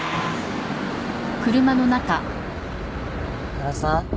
原さん。